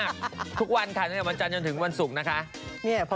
ทุกวันแหละวันจันทร์จนถึงวันศุกร์นะครับ